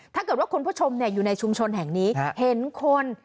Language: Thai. ถ้าเกิดว่าคุณผู้ชมอยู่ในชุมชนแห่งนี้เห็นคน